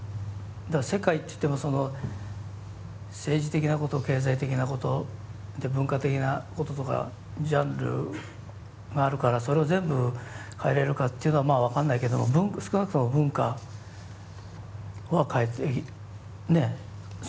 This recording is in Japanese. だから世界って言っても政治的なこと経済的なこと文化的なこととかジャンルがあるからそれを全部変えれるかっていうのはまあ分かんないけど少なくとも文化は変えてねえ文化そのものだし。